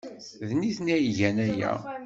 D nitni ay igan aya.